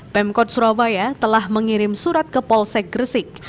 pemkot surabaya telah mengirim surat ke polsek gresik